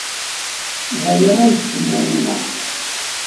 D aya ay d-tenna yemma.